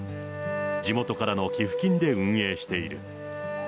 地元からの寄付金で運営している。